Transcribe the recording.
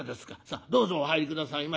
さあどうぞお入り下さいまし。